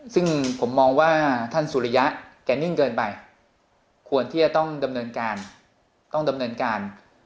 ซึ่งผมมองว่าท่านสุริยะแกนิ่งเกินไปควรที่จะต้องดำเนินการ